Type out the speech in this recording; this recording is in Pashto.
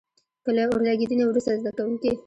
که له اور لګېدنې وروسته زده کوونکي.